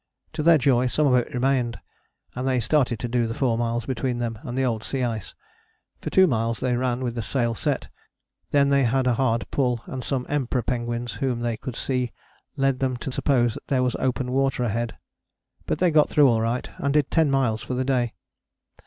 To their joy some of it remained and they started to do the four miles between them and the old sea ice. For two miles they ran with the sail set: then they had a hard pull, and some Emperor penguins whom they could see led them to suppose that there was open water ahead. But they got through all right, and did ten miles for the day.